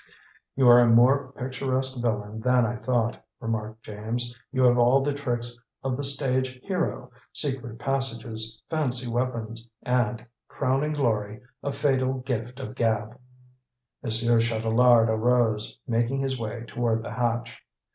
"You are a more picturesque villain than I thought," remarked James. "You have all the tricks of the stage hero secret passages, fancy weapons, and crowning glory a fatal gift of gab!" Monsieur Chatelard arose, making his way toward the hatch.